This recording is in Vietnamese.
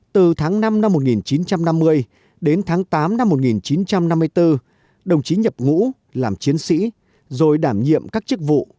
từ tháng năm năm một nghìn chín trăm năm mươi đến tháng tám năm một nghìn chín trăm năm mươi bốn đồng chí nhập ngũ làm chiến sĩ rồi đảm nhiệm các chức vụ